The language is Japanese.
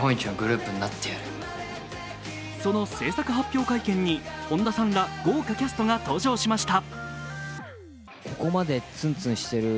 その制作発表会見に本田さんら豪華キャストが登場しました。